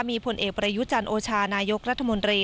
มีผลเอกประยุจันทร์โอชานายกรัฐมนตรี